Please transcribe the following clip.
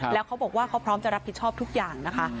แล้วเขาบอกว่าเขาพร้อมจะรับผิดชอบทุกอย่างนะคะ